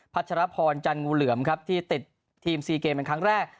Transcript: ชรพรจันงูเหลือมครับที่ติดทีมซีเกมเป็นครั้งแรก